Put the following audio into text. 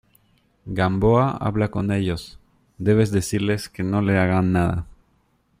Gamboa, habla con ellos. debes decirles que no le hagan nada .